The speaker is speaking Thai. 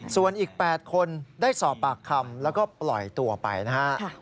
ส่วนอีก๘คนได้สอบปากคำแล้วก็ปล่อยตัวไปนะครับ